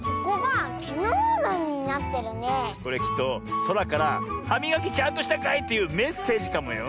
これきっとそらから「はみがきちゃんとしたかい？」というメッセージかもよ。